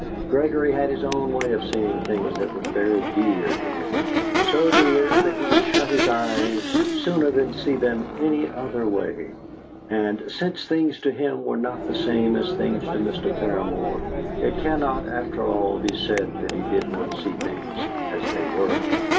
Gregory had his own way of seeing things that was very dear to him so dear that he would shut his eyes sooner than see them any other way. And since things to him were not the same as things to Mr. Paramor, it cannot, after all, be said that he did not see things as they were.